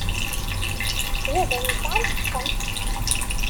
Baba-m yesɛa lḥeṭṭa.